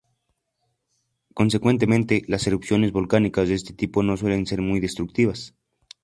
Consecuentemente, las erupciones volcánicas de este tipo no suelen ser muy destructivas.